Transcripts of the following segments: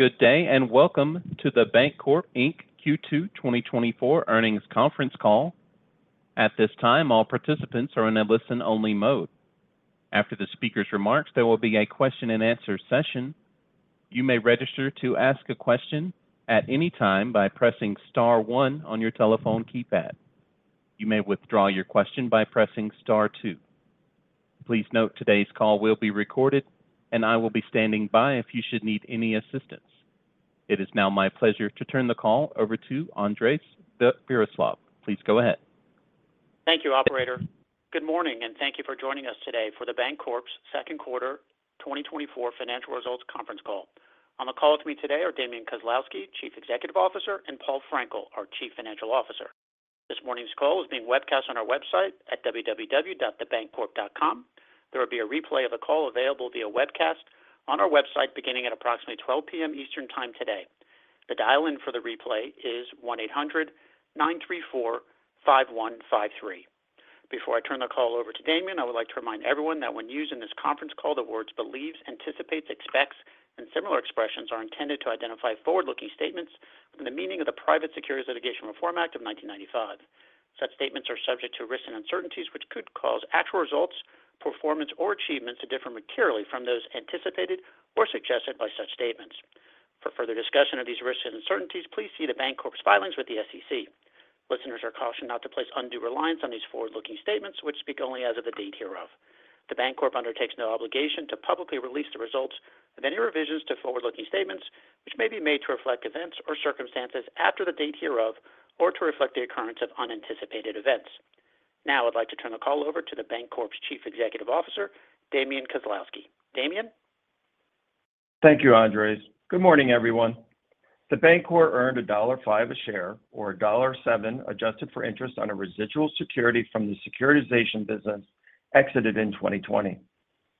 Good day, and welcome to The Bancorp Inc. Q2 2024 Earnings Conference Call. At this time, all participants are in a listen-only mode. After the speaker's remarks, there will be a question-and-answer session. You may register to ask a question at any time by pressing star one on your telephone keypad. You may withdraw your question by pressing star two. Please note, today's call will be recorded, and I will be standing by if you should need any assistance. It is now my pleasure to turn the call over to Andres Viroslav. Please go ahead. Thank you, operator. Good morning, and thank you for joining us today for The Bancorp's second quarter 2024 financial results conference call. On the call with me today are Damian Kozlowski, Chief Executive Officer, and Paul Frenkiel, our Chief Financial Officer. This morning's call is being webcast on our website at www.theBancorp.com. There will be a replay of the call available via webcast on our website beginning at approximately 12:00 P.M. Eastern Time today. The dial-in for the replay is 1-800-934-5153. Before I turn the call over to Damian, I would like to remind everyone that when used in this conference call, the words believes, anticipates, expects, and similar expressions are intended to identify forward-looking statements in the meaning of the Private Securities Litigation Reform Act of 1995. Such statements are subject to risks and uncertainties which could cause actual results, performance, or achievements to differ materially from those anticipated or suggested by such statements. For further discussion of these risks and uncertainties, please see The Bancorp's filings with the SEC. Listeners are cautioned not to place undue reliance on these forward-looking statements, which speak only as of the date hereof. The Bancorp undertakes no obligation to publicly release the results of any revisions to forward-looking statements, which may be made to reflect events or circumstances after the date hereof or to reflect the occurrence of unanticipated events. Now, I'd like to turn the call over to The Bancorp's Chief Executive Officer, Damian Kozlowski. Damian? Thank you, Andres. Good morning, everyone. The Bancorp earned $1.05 a share or $1.07 adjusted for interest on a residual security from the securitization business exited in 2020,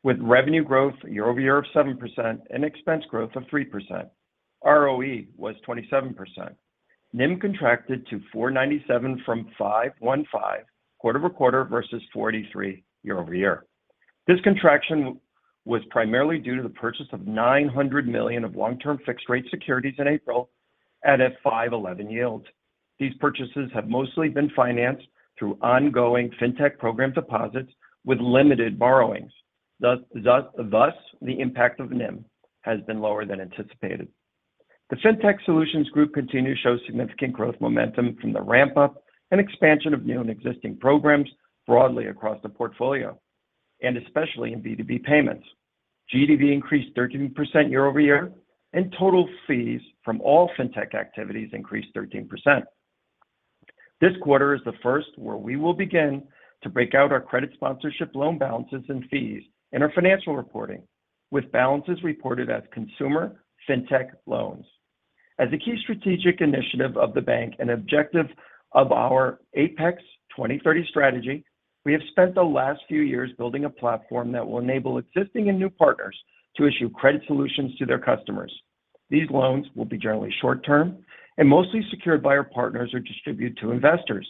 with revenue growth year-over-year of 7% and expense growth of 3%. ROE was 27%. NIM contracted to 4.97% from 5.15% quarter-over-quarter versus 5.43% year-over-year. This contraction was primarily due to the purchase of $900 million of long-term fixed rate securities in April at a 5.11% yield. These purchases have mostly been financed through ongoing fintech program deposits with limited borrowings. Thus, the impact of NIM has been lower than anticipated. The Fintech Solutions Group continues to show significant growth momentum from the ramp-up and expansion of new and existing programs broadly across the portfolio, and especially in B2B payments. GDV increased 13% year-over-year, and total fees from all fintech activities increased 13%. This quarter is the first where we will begin to break out our credit sponsorship loan balances and fees in our financial reporting, with balances reported as consumer fintech loans. As a key strategic initiative of the bank and objective of our Apex 2030 strategy, we have spent the last few years building a platform that will enable existing and new partners to issue credit solutions to their customers. These loans will be generally short-term and mostly secured by our partners or distributed to investors.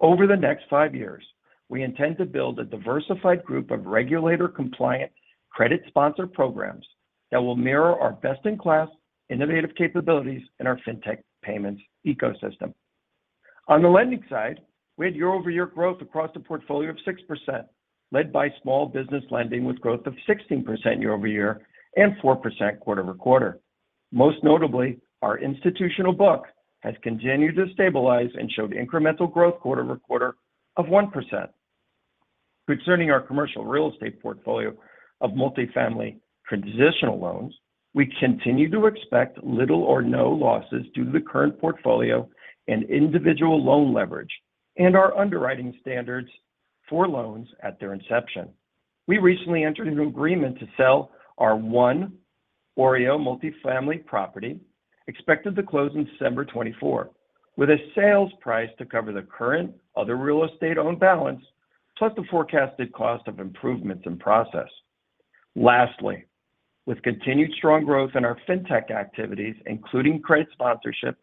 Over the next 5 years, we intend to build a diversified group of regulator-compliant credit sponsor programs that will mirror our best-in-class innovative capabilities in our fintech payments ecosystem. On the lending side, we had year-over-year growth across the portfolio of 6%, led by small business lending, with growth of 16% year-over-year and 4% quarter-over-quarter. Most notably, our institutional book has continued to stabilize and showed incremental growth quarter-over-quarter of 1%. Concerning our commercial real estate portfolio of multifamily transitional loans, we continue to expect little or no losses due to the current portfolio and individual loan leverage and our underwriting standards for loans at their inception. We recently entered into an agreement to sell our one OREO multifamily property, expected to close in December 2024, with a sales price to cover the current other real estate-owned balance, plus the forecasted cost of improvements in process. Lastly, with continued strong growth in our fintech activities, including credit sponsorship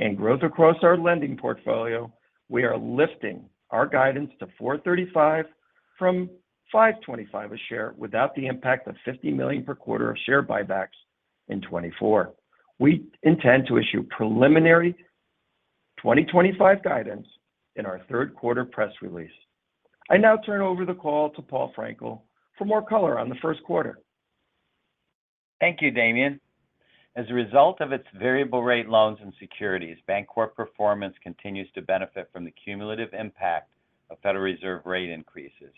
and growth across our lending portfolio, we are lifting our guidance to $4.35 from $5.25 a share, without the impact of $50 million per quarter of share buybacks in 2024. We intend to issue preliminary 2025 guidance in our third quarter press release. I now turn over the call to Paul Frenkiel for more color on the first quarter. Thank you, Damian. As a result of its variable rate loans and securities, Bancorp performance continues to benefit from the cumulative impact of Federal Reserve rate increases.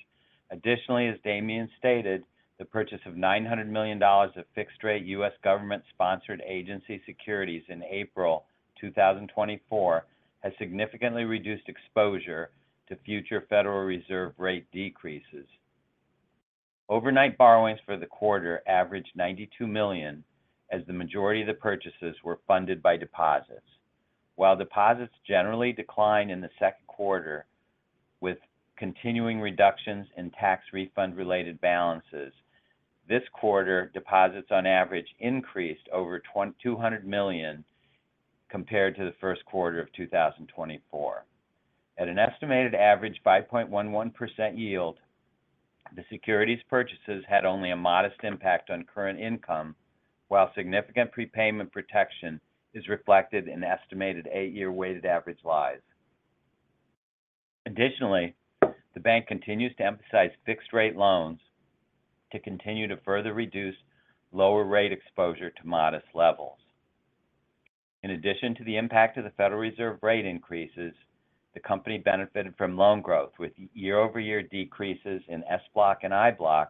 Additionally, as Damian stated, the purchase of $900 million of fixed-rate U.S. government-sponsored agency securities in April 2024 has significantly reduced exposure to future Federal Reserve rate decreases. Overnight borrowings for the quarter averaged $92 million, as the majority of the purchases were funded by deposits. While deposits generally declined in the second quarter with continuing reductions in tax refund-related balances, this quarter, deposits on average increased over $200 million compared to the first quarter of 2024. At an estimated average 5.11% yield. The securities purchases had only a modest impact on current income, while significant prepayment protection is reflected in estimated 8-year weighted average lives. Additionally, the bank continues to emphasize fixed-rate loans to continue to further reduce lower rate exposure to modest levels. In addition to the impact of the Federal Reserve rate increases, the company benefited from loan growth, with year-over-year decreases in SBLOC and IBLOC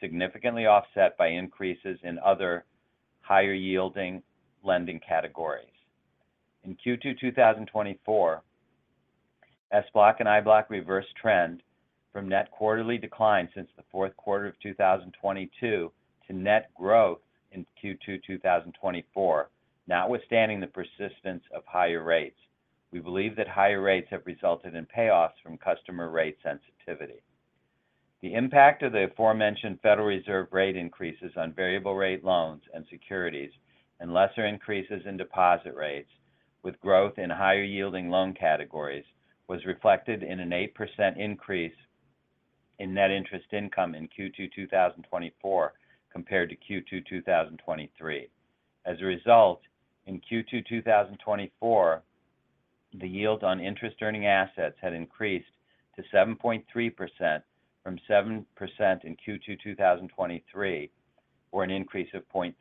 significantly offset by increases in other higher-yielding lending categories. In Q2 2024, SBLOC and IBLOC reverse trend from net quarterly decline since the fourth quarter of 2022 to net growth in Q2 2024, notwithstanding the persistence of higher rates. We believe that higher rates have resulted in payoffs from customer rate sensitivity. The impact of the aforementioned Federal Reserve rate increases on variable rate loans and securities and lesser increases in deposit rates with growth in higher-yielding loan categories, was reflected in an 8% increase in net interest income in Q2 2024 compared to Q2 2023. As a result, in Q2 2024, the yield on interest-earning assets had increased to 7.3% from 7% in Q2 2023, or an increase of 0.3%.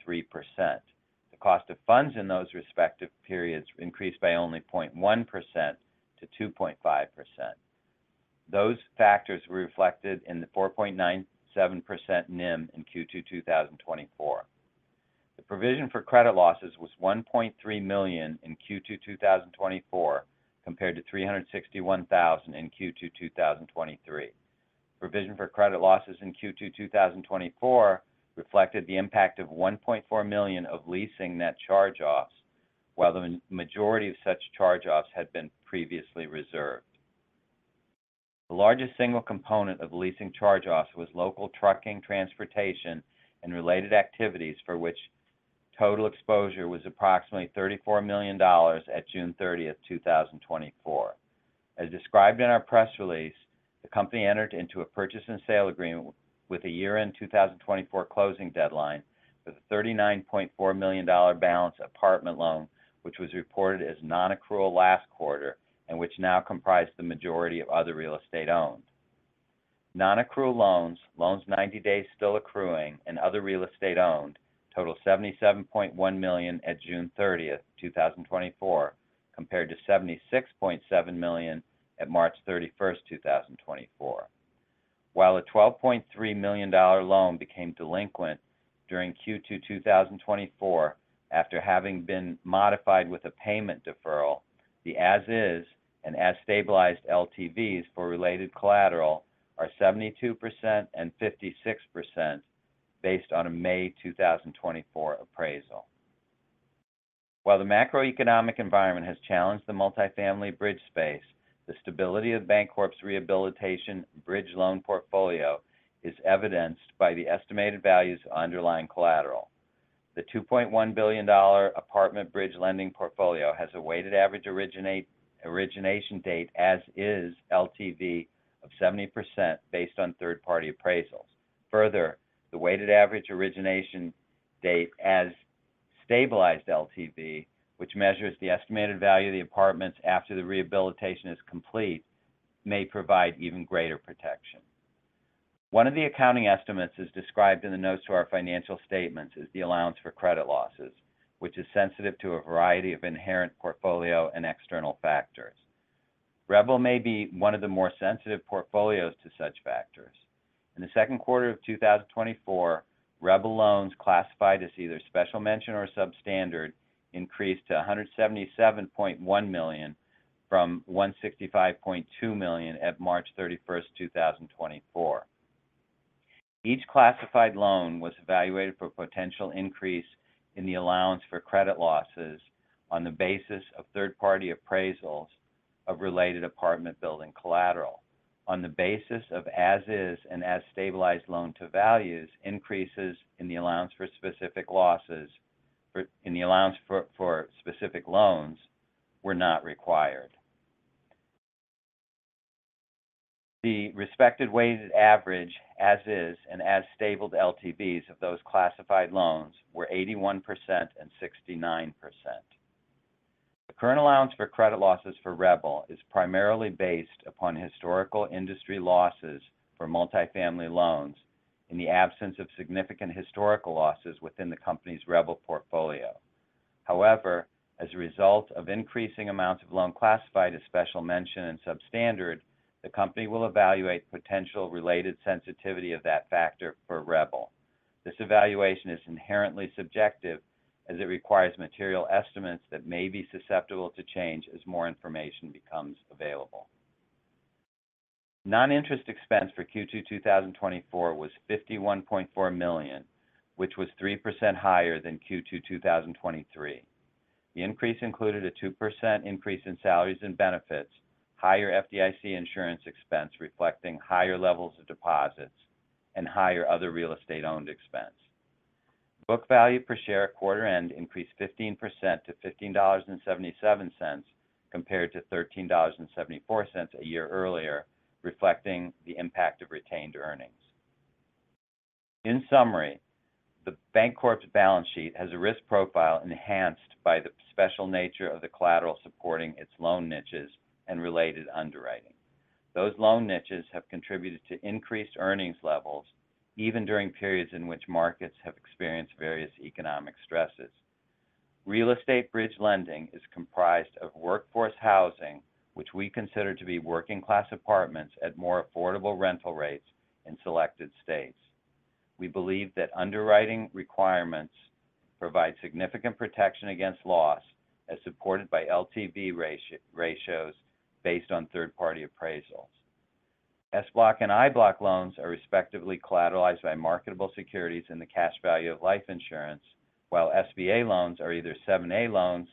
The cost of funds in those respective periods increased by only 0.1% to 2.5%. Those factors were reflected in the 4.97% NIM in Q2 2024. The provision for credit losses was $1.3 million in Q2 2024, compared to $361,000 in Q2 2023. Provision for credit losses in Q2 2024 reflected the impact of $1.4 million of leasing net charge-offs, while the majority of such charge-offs had been previously reserved. The largest single component of leasing charge-offs was local trucking, transportation, and related activities, for which total exposure was approximately $34 million at June 30th, 2024. As described in our press release, the company entered into a purchase and sale agreement with a year-end 2024 closing deadline for the $39.4 million balance apartment loan, which was reported as non-accrual last quarter and which now comprise the majority of other real estate owned. Non-accrual loans, loans ninety days still accruing and other real estate owned total $77.1 million at June 30th, 2024, compared to $76.7 million at March 31st, 2024. While a $12.3 million loan became delinquent during Q2 2024 after having been modified with a payment deferral, the as-is and as-stabilized LTVs for related collateral are 72% and 56% based on a May 2024 appraisal. While the macroeconomic environment has challenged the multifamily bridge space, the stability of Bancorp's rehabilitation bridge loan portfolio is evidenced by the estimated values of underlying collateral. The $2.1 billion apartment bridge lending portfolio has a weighted average origination date as-is LTV of 70% based on third-party appraisals. Further, the weighted average origination date as-stabilized LTV, which measures the estimated value of the apartments after the rehabilitation is complete, may provide even greater protection. One of the accounting estimates, as described in the notes to our financial statements, is the allowance for credit losses, which is sensitive to a variety of inherent portfolio and external factors. REBL may be one of the more sensitive portfolios to such factors. In the second quarter of 2024, REBL loans classified as either special mention or substandard increased to $177.1 million from $165.2 million at March 31st, 2024. Each classified loan was evaluated for potential increase in the allowance for credit losses on the basis of third-party appraisals of related apartment building collateral. On the basis of as-is and as-stabilized loan to values, increases in the allowance for specific losses for specific loans were not required. The respective weighted average, as-is and as-stabilized LTVs of those classified loans were 81% and 69%. The current allowance for credit losses for REBL is primarily based upon historical industry losses for multifamily loans in the absence of significant historical losses within the company's REBL portfolio. However, as a result of increasing amounts of loans classified as special mention and substandard, the company will evaluate potential related sensitivity of that factor for REBL. This evaluation is inherently subjective, as it requires material estimates that may be susceptible to change as more information becomes available. Noninterest expense for Q2 2024 was $51.4 million, which was 3% higher than Q2 2023. The increase included a 2% increase in salaries and benefits, higher FDIC insurance expense reflecting higher levels of deposits, and higher other real estate owned expense. Book value per share at quarter end increased 15% to $15.77, compared to $13.74 a year earlier, reflecting the impact of retained earnings. In summary, The Bancorp's balance sheet has a risk profile enhanced by the special nature of the collateral supporting its loan niches and related underwriting. Those loan niches have contributed to increased earnings levels, even during periods in which markets have experienced various economic stresses. Real estate bridge lending is comprised of workforce housing, which we consider to be working-class apartments at more affordable rental rates in selected states. We believe that underwriting requirements provide significant protection against loss, as supported by LTV ratios based on third-party appraisals. SBLOC and IBLOC loans are respectively collateralized by marketable securities and the cash value of life insurance, while SBA loans are either 7(a) loans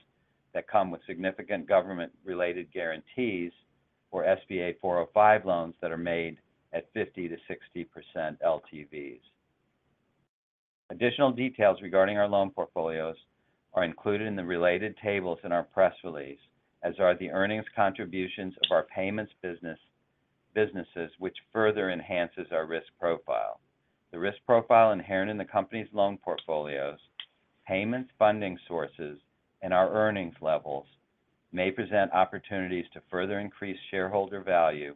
that come with significant government-related guarantees or SBA 504 loans that are made at 50%-60% LTVs. Additional details regarding our loan portfolios are included in the related tables in our press release, as are the earnings contributions of our payments businesses, which further enhances our risk profile. The risk profile inherent in the company's loan portfolios, payments funding sources, and our earnings levels may present opportunities to further increase shareholder value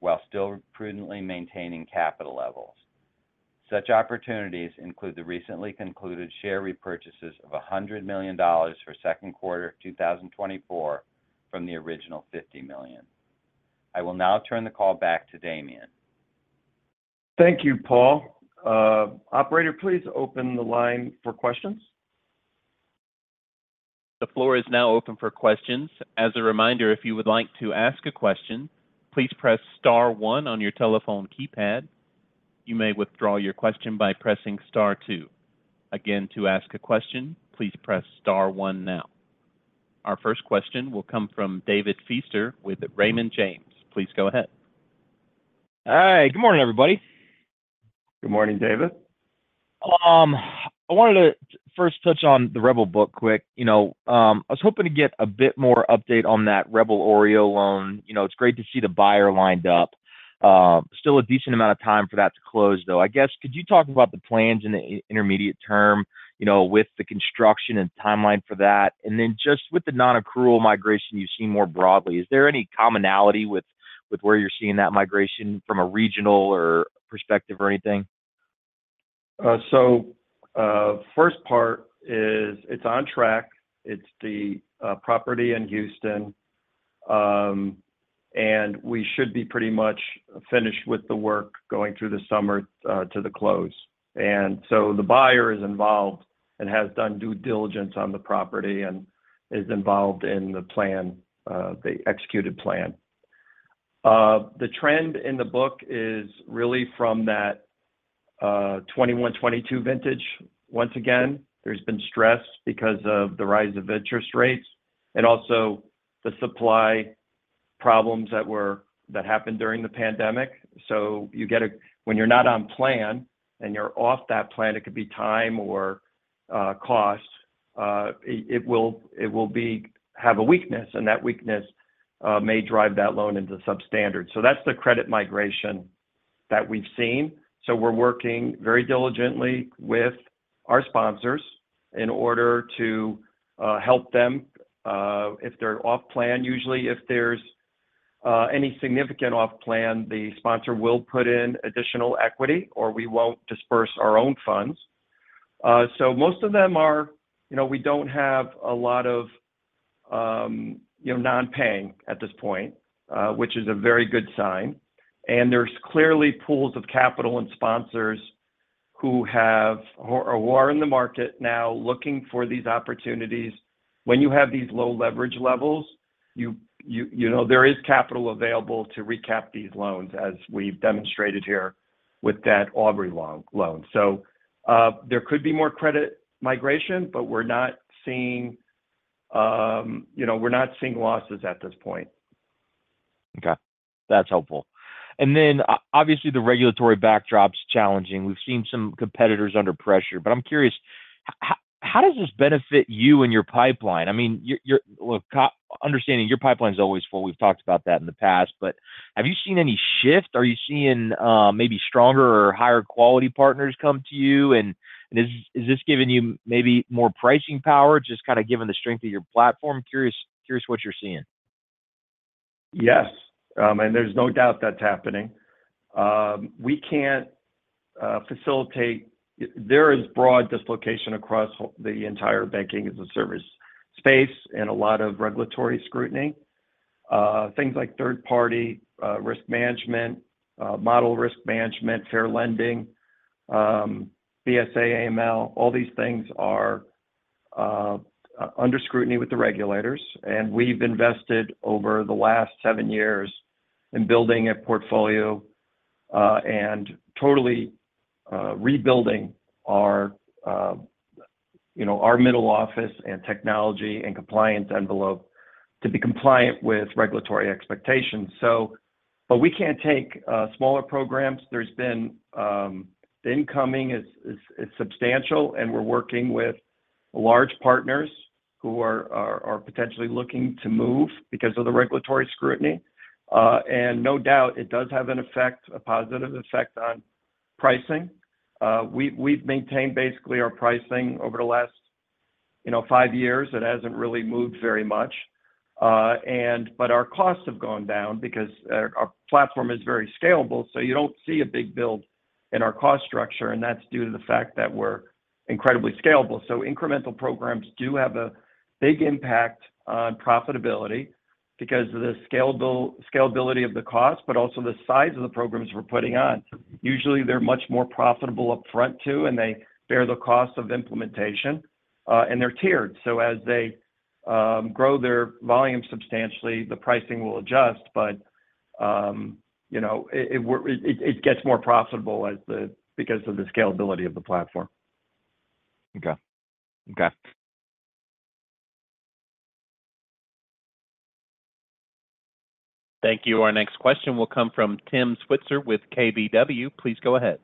while still prudently maintaining capital levels. Such opportunities include the recently concluded share repurchases of $100 million for second quarter of 2024 from the original $50 million. I will now turn the call back to Damian. Thank you, Paul. Operator, please open the line for questions. The floor is now open for questions. As a reminder, if you would like to ask a question, please press star one on your telephone keypad. You may withdraw your question by pressing star two. Again, to ask a question, please press star one now. Our first question will come from David Feaster with Raymond James. Please go ahead. Hi. Good morning, everybody. Good morning, David. I wanted to first touch on the REBL book quick. You know, I was hoping to get a bit more update on that REBL OREO loan. You know, it's great to see the buyer lined up. Still a decent amount of time for that to close, though. I guess, could you talk about the plans in the intermediate term, you know, with the construction and timeline for that? And then just with the nonaccrual migration you've seen more broadly, is there any commonality with where you're seeing that migration from a regional or perspective or anything? So, first part is, it's on track. It's the property in Houston, and we should be pretty much finished with the work going through the summer to the close. So the buyer is involved and has done due diligence on the property and is involved in the plan, the executed plan. The trend in the book is really from that 2021, 2022 vintage. Once again, there's been stress because of the rise of interest rates and also the supply problems that happened during the pandemic. So when you're not on plan, and you're off that plan, it could be time or cost. It will have a weakness, and that weakness may drive that loan into substandard. So that's the credit migration that we've seen. So we're working very diligently with our sponsors in order to help them if they're off plan. Usually, if there's any significant off plan, the sponsor will put in additional equity, or we won't disperse our own funds. So most of them are, you know, we don't have a lot of non-paying at this point, which is a very good sign. And there's clearly pools of capital and sponsors who have or are in the market now looking for these opportunities. When you have these low leverage levels, you know, there is capital available to recap these loans, as we've demonstrated here with that Aubrey loan. So there could be more credit migration, but we're not seeing losses at this point. Okay. That's helpful. And then, obviously, the regulatory backdrop's challenging. We've seen some competitors under pressure, but I'm curious, how does this benefit you and your pipeline? I mean, your, look, understanding your pipeline is always full. We've talked about that in the past, but have you seen any shift? Are you seeing maybe stronger or higher quality partners come to you, and is this giving you maybe more pricing power, just kind of given the strength of your platform? Curious, curious what you're seeing. Yes, and there's no doubt that's happening. We can't facilitate. There is broad dislocation across the entire banking as a service space and a lot of regulatory scrutiny. Things like third-party risk management, model risk management, fair lending, BSA, AML, all these things are under scrutiny with the regulators, and we've invested over the last seven years in building a portfolio and totally rebuilding our, you know, our middle office and technology and compliance envelope to be compliant with regulatory expectations. So, but we can't take smaller programs. There's been the incoming is substantial, and we're working with large partners who are potentially looking to move because of the regulatory scrutiny. And no doubt, it does have an effect, a positive effect on pricing. We've maintained basically our pricing over the last, you know, five years. It hasn't really moved very much, and our costs have gone down because our platform is very scalable, so you don't see a big build in our cost structure, and that's due to the fact that we're incredibly scalable. So incremental programs do have a big impact on profitability because of the scalability of the cost, but also the size of the programs we're putting on. Usually, they're much more profitable upfront too, and they bear the cost of implementation, and they're tiered. So as they grow their volume substantially, the pricing will adjust, but, you know, it gets more profitable as the because of the scalability of the platform. Okay. Okay. Thank you. Our next question will come from Tim Switzer with KBW. Please go ahead.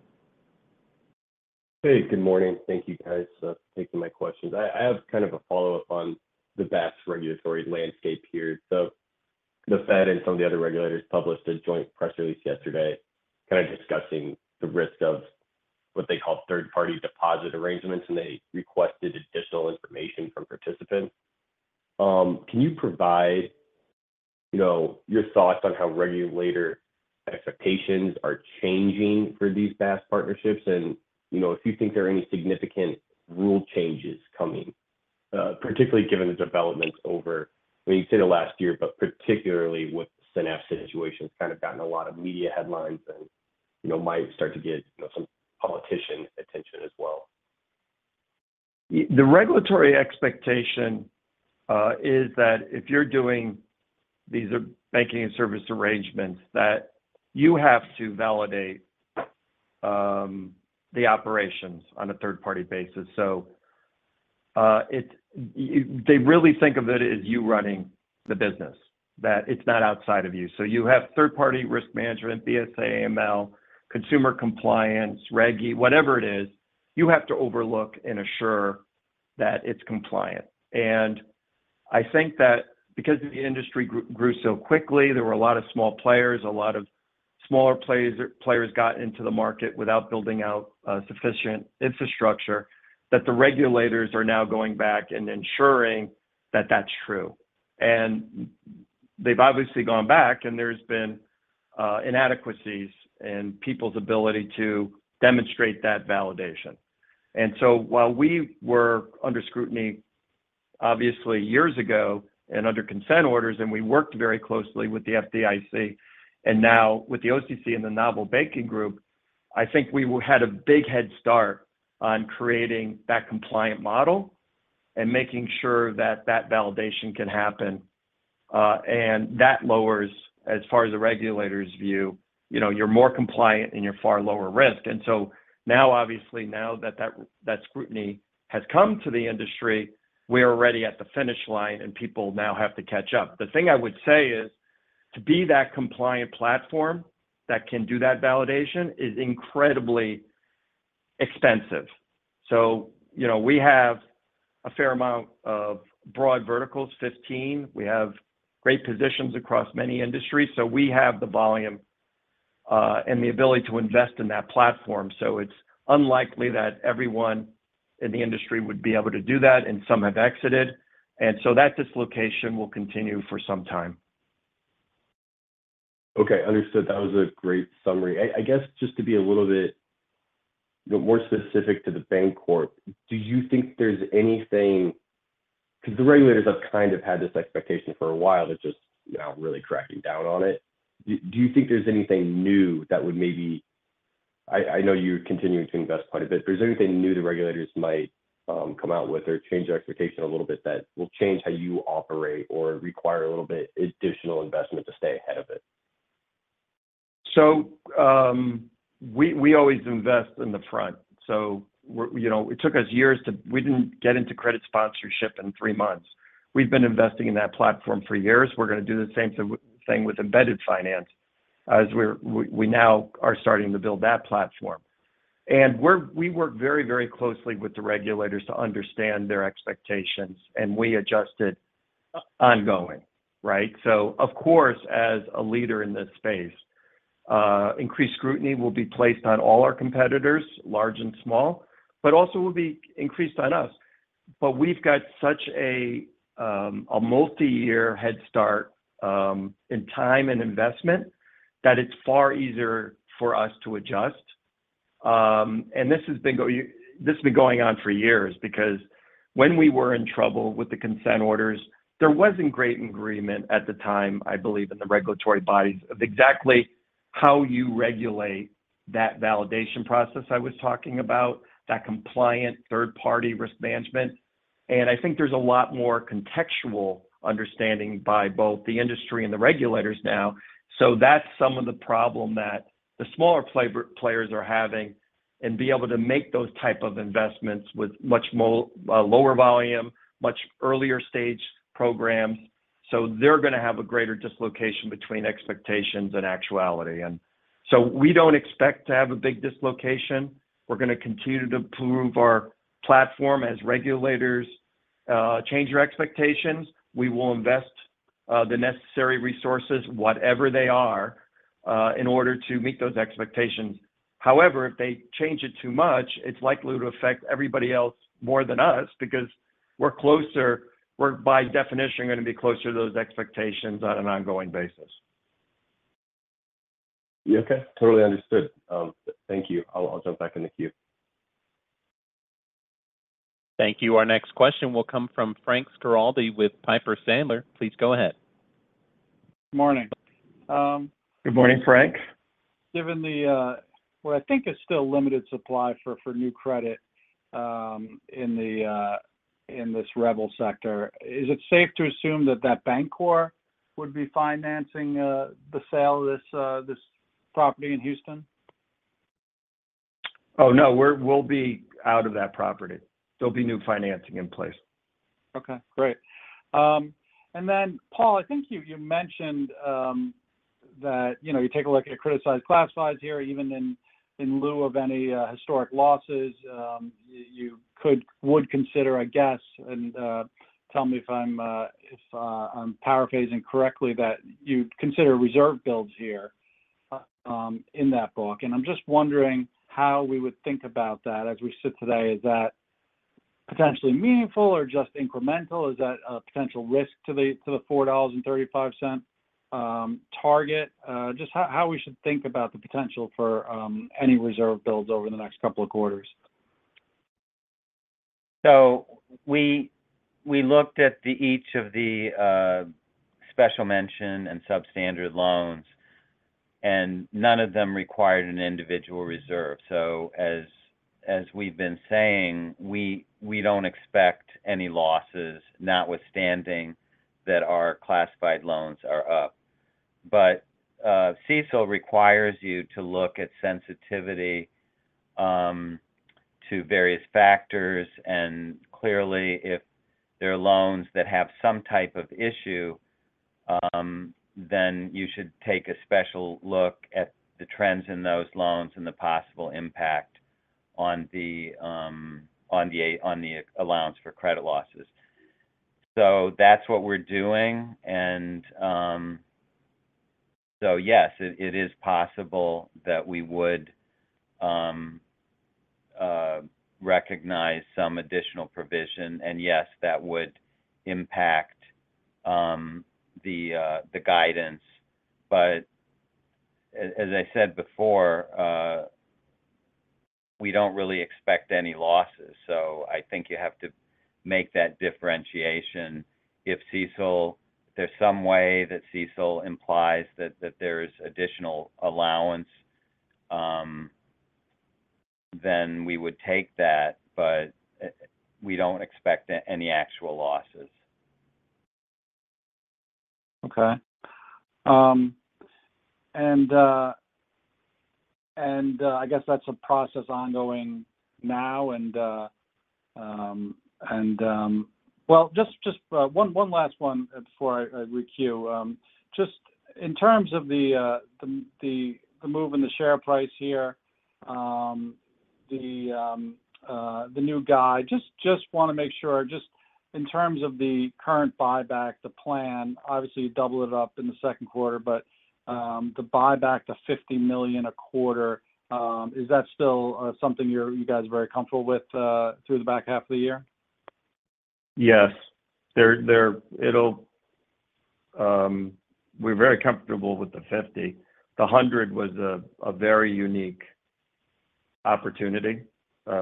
Hey, good morning. Thank you, guys, for taking my questions. I have kind of a follow-up on the BaaS regulatory landscape here. So the Fed and some of the other regulators published a joint press release yesterday, kind of discussing the risk of what they call third-party deposit arrangements, and they requested additional information from participants. Can you provide, you know, your thoughts on how regulator expectations are changing for these BaaS partnerships? And, you know, if you think there are any significant rule changes coming, particularly given the developments over, when you say the last year, but particularly with the Synapse situation, it's kind of gotten a lot of media headlines and, you know, might start to get, you know, some political attention as well. The regulatory expectation is that if you're doing these banking-as-a-service arrangements, that you have to validate the operations on a third-party basis. So, they really think of it as you running the business, that it's not outside of you. So you have third-party risk management, BSA, AML, consumer compliance, Reg E, whatever it is, you have to overlook and assure that it's compliant. And I think that because the industry grew so quickly, there were a lot of small players, a lot of smaller players, players got into the market without building out sufficient infrastructure, that the regulators are now going back and ensuring that that's true. And they've obviously gone back, and there's been inadequacies in people's ability to demonstrate that validation. And so while we were under scrutiny, obviously, years ago and under consent orders, and we worked very closely with the FDIC and now with the OCC and the Novel Banking Group, I think we had a big head start on creating that compliant model and making sure that that validation can happen. And that lowers, as far as the regulators' view, you know, you're more compliant and you're far lower risk. And so now, obviously, now that that, that scrutiny has come to the industry, we're already at the finish line, and people now have to catch up. The thing I would say is, to be that compliant platform that can do that validation is incredibly expensive. So, you know, we have a fair amount of broad verticals, 15. We have great positions across many industries, so we have the volume, and the ability to invest in that platform. So it's unlikely that everyone in the industry would be able to do that, and some have exited. And so that dislocation will continue for some time. Okay, understood. That was a great summary. I guess just to be a little bit more specific to the Bancorp, do you think there's anything, because the regulators have kind of had this expectation for a while, they're just now really cracking down on it. Do, do you think there's anything new that would maybe, I know you're continuing to invest quite a bit. If there's anything new the regulators might come out with or change their expectation a little bit that will change how you operate or require a little bit additional investment to stay ahead of it? So, we always invest in the front. So we're, you know, it took us years to—we didn't get into credit sponsorship in three months. We've been investing in that platform for years. We're gonna do the same thing with embedded finance as we now are starting to build that platform. And we work very, very closely with the regulators to understand their expectations, and we adjust it ongoing, right? So of course, as a leader in this space, increased scrutiny will be placed on all our competitors, large and small, but also will be increased on us. But we've got such a, a multi-year head start, in time and investment, that it's far easier for us to adjust. This has been going on for years, because when we were in trouble with the consent orders, there wasn't great agreement at the time, I believe, in the regulatory bodies of exactly how you regulate that validation process I was talking about, that compliant third-party risk management... and I think there's a lot more contextual understanding by both the industry and the regulators now. So that's some of the problem that the smaller players are having, and be able to make those type of investments with much more, lower volume, much earlier stage programs. So they're gonna have a greater dislocation between expectations and actuality. And so we don't expect to have a big dislocation. We're gonna continue to improve our platform as regulators change their expectations. We will invest the necessary resources, whatever they are, in order to meet those expectations. However, if they change it too much, it's likely to affect everybody else more than us because we're closer, by definition, gonna be closer to those expectations on an ongoing basis. Okay, totally understood. Thank you. I'll jump back in the queue. Thank you. Our next question will come from Frank Schiraldi with Piper Sandler. Please go ahead. Morning. Good morning, Frank. Given the, well, I think it's still limited supply for new credit in this REBL sector, is it safe to assume that Bancorp would be financing the sale of this property in Houston? Oh, no, we'll be out of that property. There'll be new financing in place. Okay, great. And then, Paul, I think you mentioned that, you know, you take a look at your criticized classifieds here, even in lieu of any historic losses, you would consider, I guess, and tell me if I'm paraphrasing correctly, that you'd consider reserve builds here in that book. And I'm just wondering how we would think about that. As we sit today, is that potentially meaningful or just incremental? Is that a potential risk to the $4.35 target? Just how we should think about the potential for any reserve builds over the next couple of quarters. So we looked at each of the special mention and substandard loans, and none of them required an individual reserve. So, as we've been saying, we don't expect any losses, notwithstanding that our classified loans are up. But CECL requires you to look at sensitivity to various factors, and clearly, if there are loans that have some type of issue, then you should take a special look at the trends in those loans and the possible impact on the allowance for credit losses. So that's what we're doing. And so yes, it is possible that we would recognize some additional provision, and yes, that would impact the guidance. But as I said before, we don't really expect any losses, so I think you have to make that differentiation. If CECL—if there's some way that CECL implies that, that there's additional allowance, then we would take that, but, we don't expect any actual losses. Okay. I guess that's a process ongoing now. Well, just one last one before I requeue. Just in terms of the move in the share price here, the new guy. Just wanna make sure, just in terms of the current buyback, the plan, obviously, you double it up in the second quarter, but the buyback to $50 million a quarter, is that still something you're - you guys are very comfortable with, through the back half of the year? Yes. We're very comfortable with the $50 million. The $100 million was a very unique opportunity.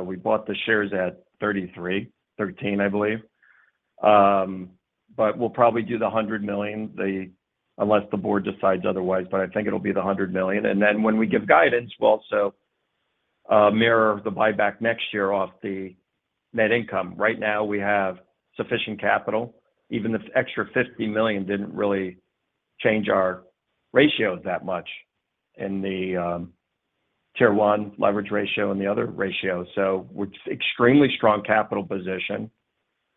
We bought the shares at $33, $13, I believe. But we'll probably do the $100 million, unless the board decides otherwise, but I think it'll be the $100 million. And then when we give guidance, we'll also mirror the buyback next year off the net income. Right now, we have sufficient capital. Even the extra $50 million didn't really change our ratios that much in the Tier 1 leverage ratio and the other ratio. So we're extremely strong capital position,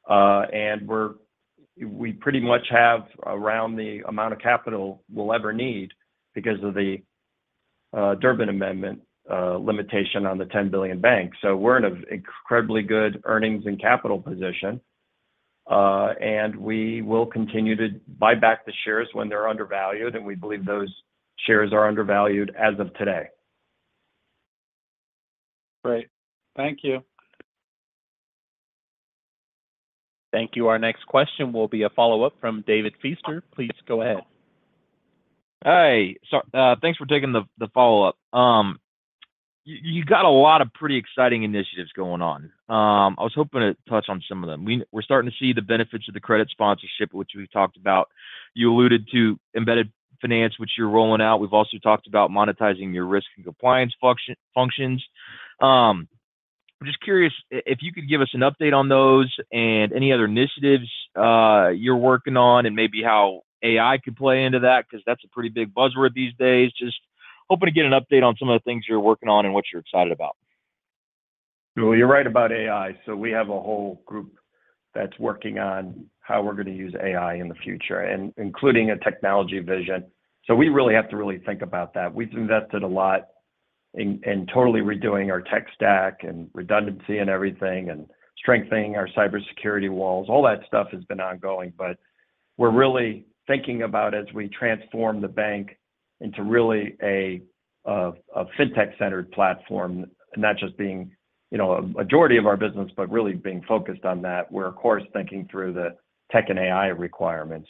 and we pretty much have around the amount of capital we'll ever need because of the Durbin Amendment limitation on the $10 billion bank. So we're in an incredibly good earnings and capital position, and we will continue to buy back the shares when they're undervalued, and we believe those shares are undervalued as of today. Great. Thank you. Thank you. Our next question will be a follow-up from David Feaster. Please go ahead. Hey, so, thanks for taking the follow-up. You got a lot of pretty exciting initiatives going on. I was hoping to touch on some of them. We're starting to see the benefits of the credit sponsorship, which we talked about. You alluded to embedded finance, which you're rolling out. We've also talked about monetizing your risk and compliance functions. I'm just curious if you could give us an update on those and any other initiatives you're working on, and maybe how AI could play into that, 'cause that's a pretty big buzzword these days. Just hoping to get an update on some of the things you're working on and what you're excited about. Well, you're right about AI. So we have a whole group that's working on how we're gonna use AI in the future, and including a technology vision. So we really have to really think about that. We've invested a lot in totally redoing our tech stack and redundancy and everything, and strengthening our cybersecurity walls. All that stuff has been ongoing, but we're really thinking about as we transform the bank into really a fintech-centered platform, not just being, you know, a majority of our business, but really being focused on that. We're, of course, thinking through the tech and AI requirements.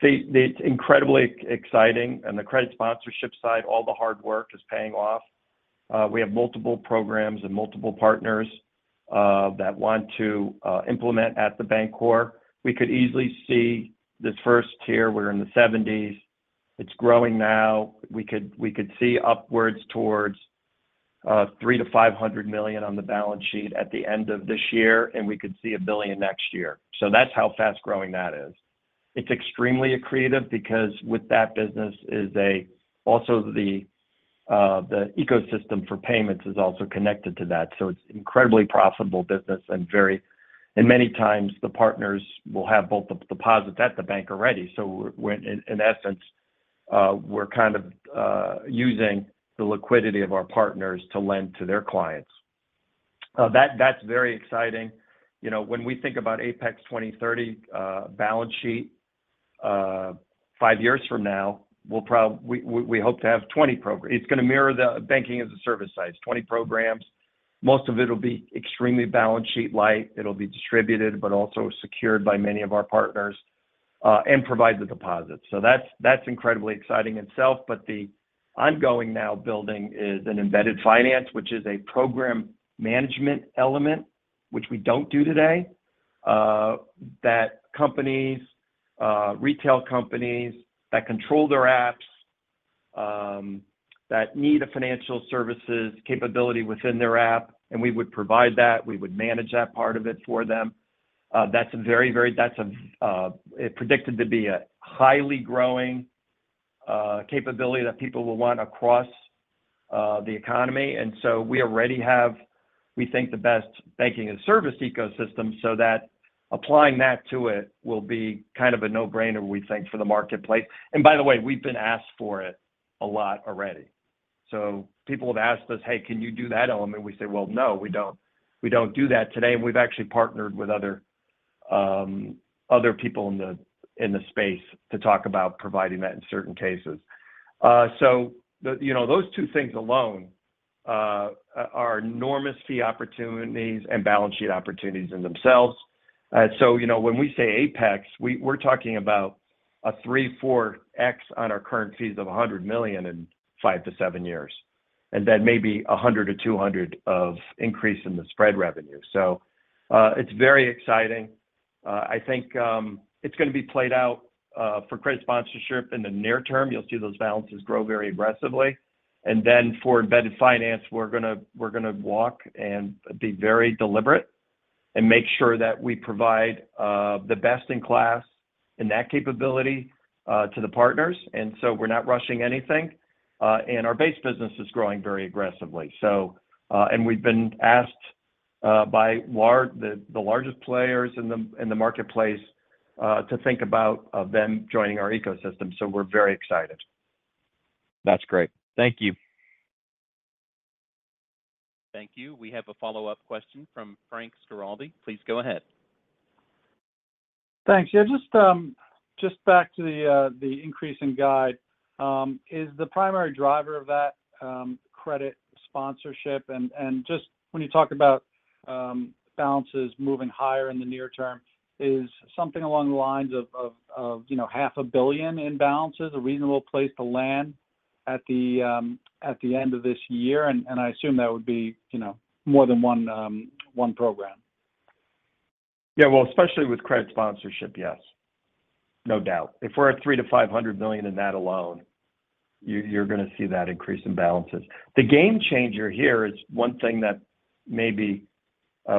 It's incredibly exciting, and the credit sponsorship side, all the hard work is paying off. We have multiple programs and multiple partners that want to implement at The Bancorp. We could easily see this first tier, we're in the seventies, it's growing now. We could see upwards towards $300 million-$500 million on the balance sheet at the end of this year, and we could see $1 billion next year. So that's how fast-growing that is. It's extremely accretive because with that business is also the ecosystem for payments is also connected to that, so it's incredibly profitable business and very and many times the partners will have both the deposits at the bank already. So we're, in essence, we're kind of using the liquidity of our partners to lend to their clients. That, that's very exciting. You know, when we think about Apex 2030 balance sheet five years from now, we'll probably we hope to have 20 programs. It's gonna mirror the banking-as-a-service size, 20 programs. Most of it'll be extremely balance sheet light. It'll be distributed, but also secured by many of our partners, and provide the deposits. So that's incredibly exciting itself. But the ongoing now building is an embedded finance, which is a program management element, which we don't do today. That companies, retail companies that control their apps, that need a financial services capability within their app, and we would provide that. We would manage that part of it for them. That's a predicted to be a highly growing capability that people will want across the economy. And so we already have, we think, the best banking-as-a-service ecosystem, so that applying that to it will be kind of a no-brainer, we think, for the marketplace. And by the way, we've been asked for it a lot already. So people have asked us, "Hey, can you do that element?" We say, "Well, no, we don't, we don't do that today." And we've actually partnered with other, other people in the space to talk about providing that in certain cases. So the, you know, those two things alone are enormous fee opportunities and balance sheet opportunities in themselves. So, you know, when we say Apex, we're talking about a 3x-4x on our current fees of $100 million in 5-7 years, and then maybe $100 millon-$200 million of increase in the spread revenue. So, it's very exciting. I think, it's gonna be played out for credit sponsorship in the near term. You'll see those balances grow very aggressively. And then for embedded finance, we're gonna walk and be very deliberate and make sure that we provide the best-in-class in that capability to the partners. And so we're not rushing anything, and our base business is growing very aggressively. So, and we've been asked by the largest players in the marketplace to think about them joining our ecosystem, so we're very excited. That's great. Thank you. Thank you. We have a follow-up question from Frank Schiraldi. Please go ahead. Thanks. Yeah, just back to the increase in guide. Is the primary driver of that credit sponsorship? And just when you talk about balances moving higher in the near term, is something along the lines of you know $500 million in balances a reasonable place to land at the end of this year? And I assume that would be you know more than one program. Yeah, well, especially with credit sponsorship, yes. No doubt. If we're at $300 million-$500 million in that alone, you, you're gonna see that increase in balances. The game changer here is one thing that maybe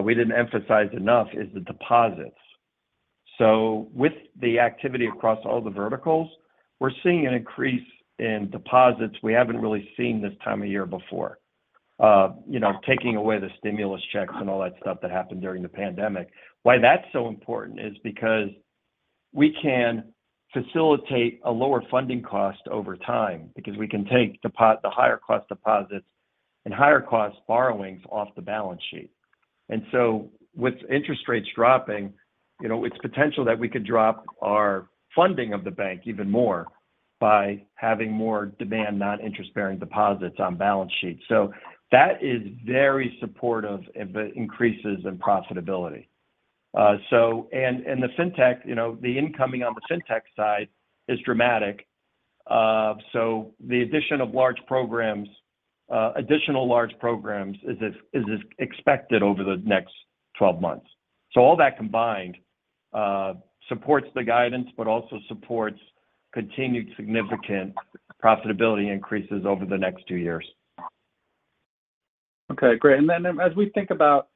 we didn't emphasize enough, is the deposits. So with the activity across all the verticals, we're seeing an increase in deposits we haven't really seen this time of year before. You know, taking away the stimulus checks and all that stuff that happened during the pandemic. Why that's so important is because we can facilitate a lower funding cost over time, because we can take depos-- the higher cost deposits and higher cost borrowings off the balance sheet. And so with interest rates dropping, you know, it's potential that we could drop our funding of the bank even more by having more demand, non-interest-bearing deposits on balance sheets. So that is very supportive of the increases in profitability. So, and the fintech, you know, the incoming on the fintech side is dramatic. So the addition of large programs, additional large programs is expected over the next 12 months. So all that combined supports the guidance, but also supports continued significant profitability increases over the next 2 years. Okay, great. And then as we think about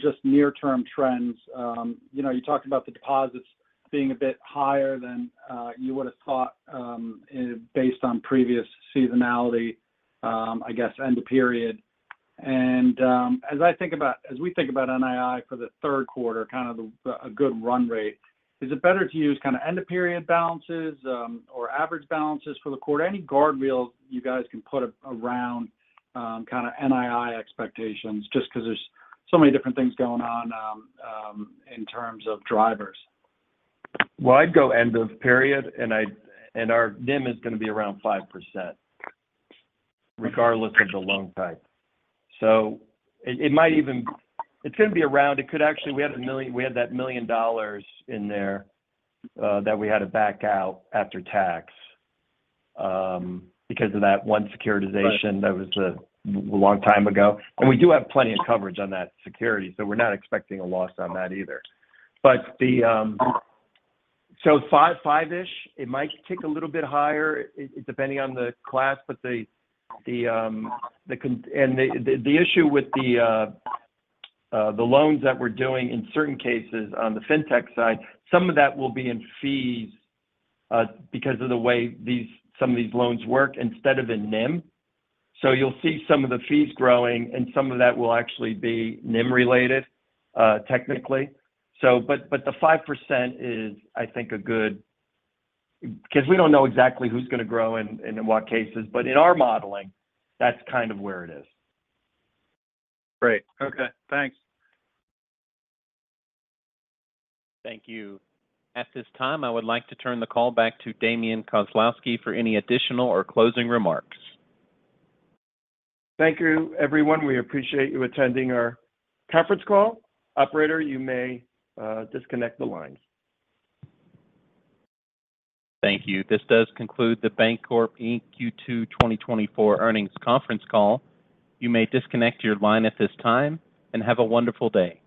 just near-term trends, you know, you talked about the deposits being a bit higher than you would have thought, based on previous seasonality, I guess, end of period. And as we think about NII for the third quarter, kind of a good run rate, is it better to use kind of end-of-period balances or average balances for the quarter? Any guardrails you guys can put around kind of NII expectations, just because there's so many different things going on in terms of drivers? Well, I'd go end of period, and our NIM is going to be around 5%, regardless of the loan type. So it might even be around. It could actually. We had $1 million—we had that $1 million in there, that we had to back out after tax, because of that one securitization. Right. That was a long time ago. We do have plenty of coverage on that security, so we're not expecting a loss on that either. But. So 5%, 5-ish%, it might tick a little bit higher, depending on the class, but the issue with the loans that we're doing in certain cases on the Fintech side, some of that will be in fees, because of the way some of these loans work, instead of in NIM. So you'll see some of the fees growing, and some of that will actually be NIM related, technically. So, but the 5% is, I think, a good— because we don't know exactly who's going to grow and in what cases, but in our modeling, that's kind of where it is. Great. Okay, thanks. Thank you. At this time, I would like to turn the call back to Damian Kozlowski for any additional or closing remarks. Thank you, everyone. We appreciate you attending our conference call. Operator, you may disconnect the lines. Thank you. This does conclude The Bancorp Inc Q2 2024 Earnings Conference Call. You may disconnect your line at this time, and have a wonderful day.